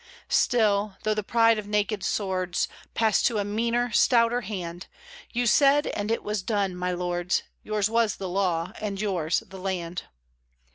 Still, though the pride of naked swords Passed to a meaner, stouter hand, You said, and it was done, my lords, Yours was the law, and yours the land.